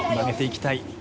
曲げていきたい。